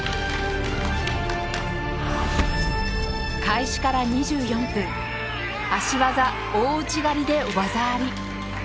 開始から２４分足技大内刈りで技あり。